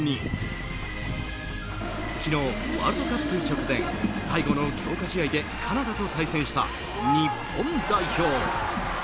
昨日、ワールドカップ直前最後の強化試合でカナダと対戦した日本代表。